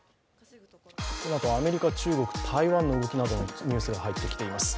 このあとはアメリカ、中国、台湾の動きなどのニュースが入ってきています。